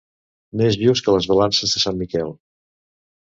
Més just que les balances de sant Miquel.